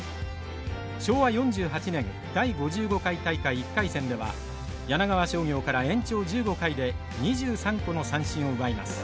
昭和４８年第５５回大会１回戦では柳川商業から延長１５回で２３個の三振を奪います。